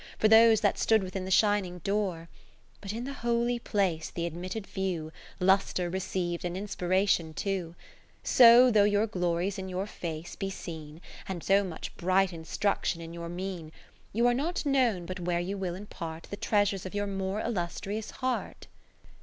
For those that stood within the shin ing door ; 30 Kath ertne Philips But in the Holy Place the admitted few, Lustre receiv'd and inspiration too : So though your glories in your face be seen, And so much bright instruction in your mien ; You are not known but where you will impart The treasures of your more illustrious heart.